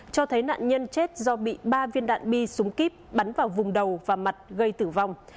cho thấy nạn nhân chết do bị ba viên đạn bi súng kíp bắn vào vùng đầu và mặt gây tử vong